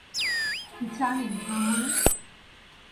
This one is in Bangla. জানি, মামুনি।